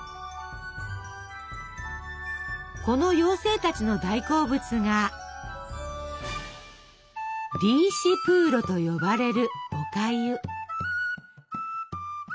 この妖精たちの大好物が「リーシプーロ」と呼ばれるおかゆ。